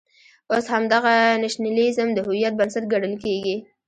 اوس همدغه نېشنلېزم د هویت بنسټ ګڼل کېږي.